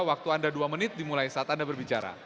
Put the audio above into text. waktu anda dua menit dimulai saat anda berbicara